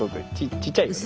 ちっちゃいよでも。